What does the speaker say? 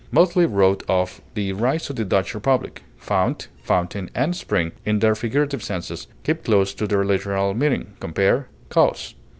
Motley wrote of "The Rise of the Dutch Republic." Fount, fountain, and spring, in their figurative senses, keep close to their literal meaning. Compare CAUSE.